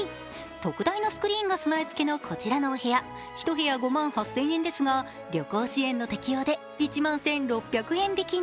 特大のスクリーンが備え付けのこちらのお部屋、１部屋５万８０００円ですが、旅行支援の適用で１万１６００円引きに。